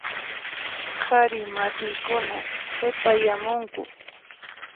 Qhari masiykuna qhipayamunku.